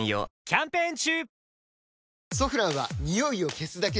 キャンペーン中！